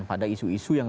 pada isu isu yang